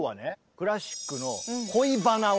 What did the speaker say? クラシックの恋バナを。